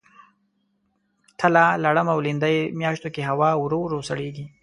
تله ، لړم او لیندۍ میاشتو کې هوا ورو ورو سړیږي.